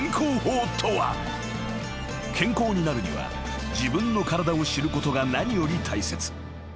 ［健康になるには自分の体を知ることが何より大切］